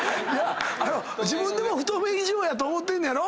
自分でも太め以上やと思ってんねやろ？